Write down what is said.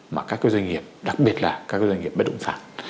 mà các doanh nghiệp đặc biệt là các doanh nghiệp bất động sản